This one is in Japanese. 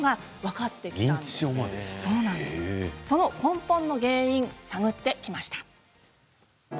根本の原因を探ってきました。